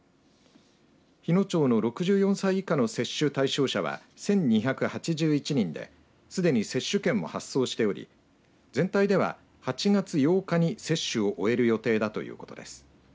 日野町の６４歳以下の接種対象者は１２８１人ですでに接種券も発送しており全体では、８月８日に接種を終える予定だということです。